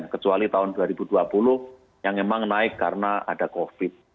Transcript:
kecuali tahun dua ribu dua puluh yang memang naik karena ada covid